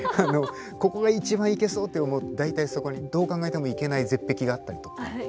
ここが一番行けそうって思うと大体そこにどう考えても行けない絶壁があったりとか。